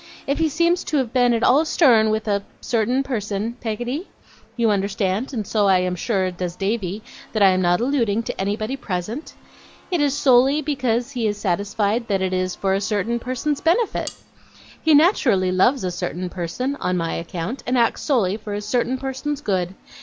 If he seems to have been at all stern with a certain person, Peggotty you understand, and so I am sure does Davy, that I am not alluding to anybody present it is solely because he is satisfied that it is for a certain person's benefit. He naturally loves a certain person, on my account; and acts solely for a certain person's good.